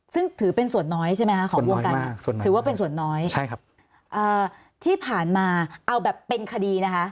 ซึ่งถือเป็นส่วนน้อยใช่ไหมคะของวงการถือว่าเป็นส่วนน้อยที่ผ่านมาเอาแบบเป็นคดีนะคะ